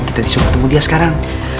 kita disuruh ketemu dia sekarang